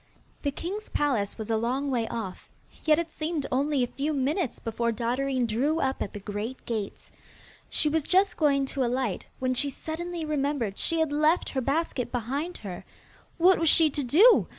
The king's palace was a long way off, yet it seemed only a few minutes before Dotterine drew up at the great gates. She was just going to alight, when she suddenly remembered she had left her basket behind her. What was she to do?